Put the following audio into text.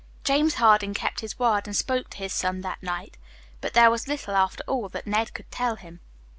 James Harding kept his word, and spoke to his son that night; but there was little, after all, that Ned could tell him.